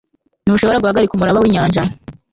Ntushobora guhagarika umuraba winyanja